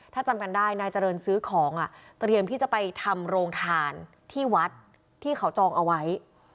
ถ้าจำกันได้นายเจริญซื้อของเตรียมที่จะไปทำโรงทานที่วัดที่เขาจองเอาไว้